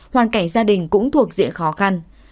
hoàn cảnh gia đình cũng thuộc diện khó khăn